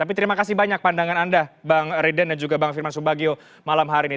tapi terima kasih banyak pandangan anda bang riden dan juga bang firman subagio malam hari ini